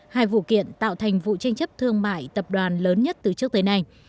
hai vụ kiện tạo thành vụ tranh chấp thương mại tập đoàn lớn nhất từ trước tới nay